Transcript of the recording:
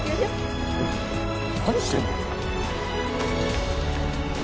何してんの？